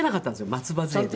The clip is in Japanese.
松葉杖で。